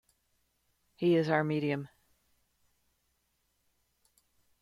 'He is our medium.